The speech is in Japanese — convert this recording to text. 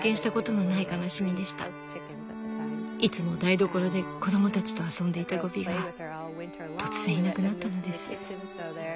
いつも台所で子供たちと遊んでいたゴビが突然いなくなったのです。